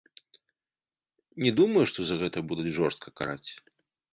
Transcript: Не думаю, што за гэта будуць жорстка караць.